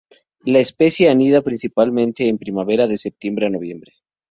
La especie anida principalmente en primavera, de septiembre a noviembre.